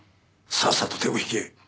さっさと手を引け。